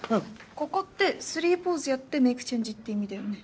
ここって３ポーズやってメイクチェンジって意味だよね？